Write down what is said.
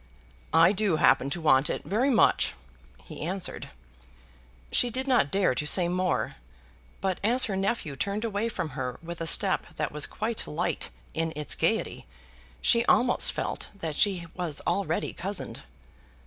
"I do happen to want it very much," he answered. She did not dare to say more; but as her nephew turned away from her with a step that was quite light in its gaiety, she almost felt that she was already cozened.